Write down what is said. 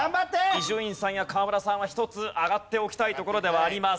伊集院さんや河村さんは１つ上がっておきたいところではあります。